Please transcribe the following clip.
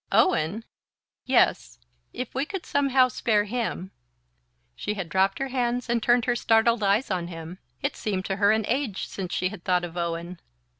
"Owen?" "Yes; if we could somehow spare him " She had dropped her hands and turned her startled eyes on him. It seemed to her an age since she had thought of Owen!